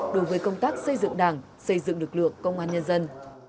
đối với công tác xây dựng đảng xây dựng lực lượng công an nhân dân